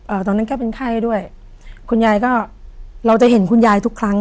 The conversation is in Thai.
ตอนนั้นก็เป็นไข้ด้วยคุณยายก็เราจะเห็นคุณยายทุกครั้ง